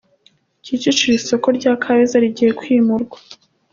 Kicukiro Isoko rya Kabeza rigiye kwimurwa